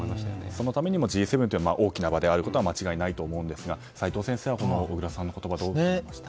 そのためにもＧ７という大きな場であることは間違いないと思うんですが齋藤先生は小倉さんの言葉どう思いましたか。